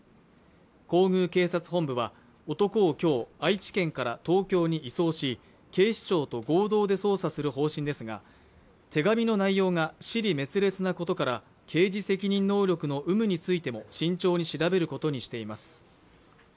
皇宮警察本部は男をきょう愛知県から東京に移送し警視庁と合同で捜査する方針ですが手紙の内容が支離滅裂なことから刑事責任能力の有無についても慎重に調べることにしています